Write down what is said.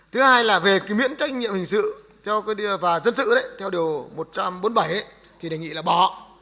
thứ hai là về cái miễn trách nhiệm hình sự cho và dân sự đấy theo điều một trăm bốn mươi bảy thì đề nghị là bỏ